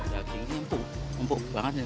daging ini empuk empuk banget